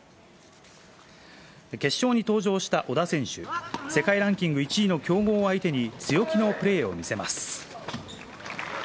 決勝に登場した小田選手、世界ランキング１位の強豪相手に強気のプレーを見せます。